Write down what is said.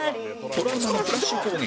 トラウマのフラッシュ攻撃